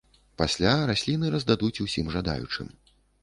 Пасля расліны раздадуць усім жадаючым.